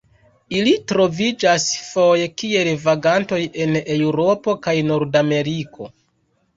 Ili troviĝas foje kiel vagantoj en Eŭropo kaj Nordameriko.